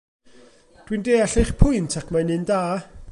Dw i'n deall eich pwynt ac mae'n un da.